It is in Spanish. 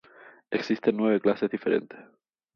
Existen nueve clases diferentes.